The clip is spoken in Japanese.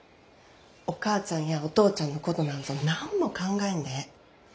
お母ちゃんやお父ちゃんのことなんぞ何も考えんでええ。